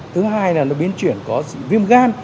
thứ hai là nó biến chuyển có viêm gan